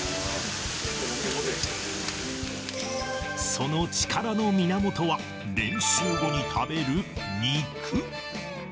その力の源は、練習後に食べる肉。